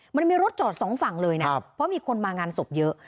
มันมีรถจอดสองฝั่งเลยนะเพราะมีคนมางานศพเยอะ